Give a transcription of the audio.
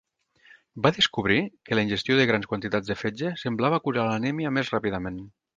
Va descobrir que la ingestió de grans quantitats de fetge semblava curar l'anèmia més ràpidament.